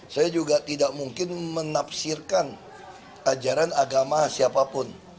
saya juga tidak mungkin menafsirkan ajaran agama siapapun